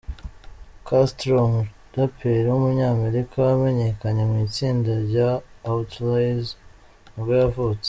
Kastro, umuraperi w’umunyamerika wamenyekanye mu itsinda rya Outlawz nibwo yavutse.